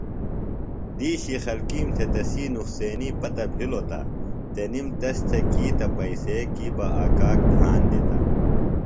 دِیشی خلکِیم تھےۡ تسی نُقصینی پتہ بِھلوۡ تہ تنِم تس تھےۡ کی تہ پئیسے کی بہ آک آک دھان دِتہ۔